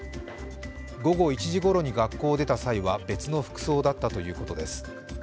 午後１時ごろに学校を出た際は別の服装だったということです。